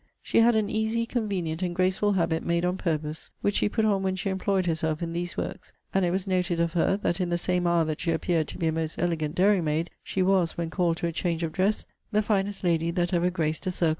* She had an easy, convenient, and graceful habit made on purpose, which she put on when she employed herself in these works; and it was noted of her, that in the same hour that she appeared to be a most elegant dairy maid, she was, when called to a change of dress, the finest lady that ever graced a circle.